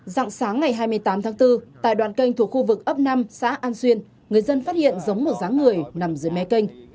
dạng sáng ngày hai mươi tám tháng bốn tại đoạn kênh thuộc khu vực ấp năm xã an xuyên người dân phát hiện giống một ráng người nằm dưới mé kênh